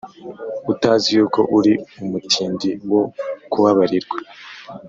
utazi yuko uri umutindi wo kubabarirwa,